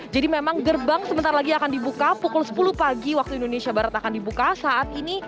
jadi memang gerbang sebentar lagi akan dibuka pukul sepuluh pagi waktu indonesia barat akan dibuka saat ini